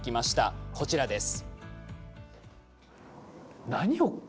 こちらです。